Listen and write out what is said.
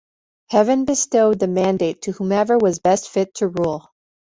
Heaven bestowed the mandate to whomever was best fit to rule.